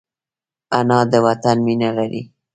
انا د وطن مینه لري